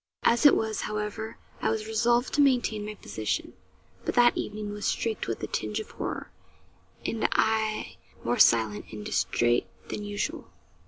As it was, however, I was resolved to maintain my position. But that evening was streaked with a tinge of horror, and I more silent and distrait than usual.